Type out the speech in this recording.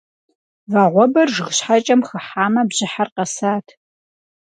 Вагъуэбэр жыг щхьэкӀэм хыхьамэ бжьыхьэр къэсат.